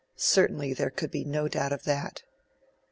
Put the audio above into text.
Certainly there could be no doubt of that.